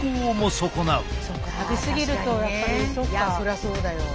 そりゃそうだよ。